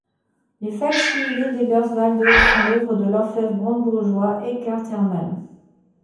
Les fac-simile d'Eberswalde sont l’œuvre de l'orfèvre brandebourgeois Eckhard Herrmann.